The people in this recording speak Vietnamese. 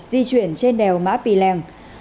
di chuyển trên đèo mã pì lèng